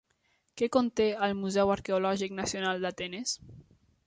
Què conté el Museu Arqueològic Nacional d'Atenes?